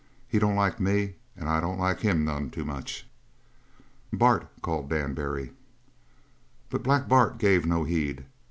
He don't like me and I don't like him none too much." "Bart!" called Dan Barry. But Black Bart gave no heed.